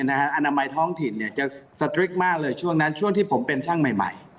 อนามัยท้องถิ่นจะสตริกมากเลยช่วงนั้นช่วงที่ผมเป็นช่างใหม่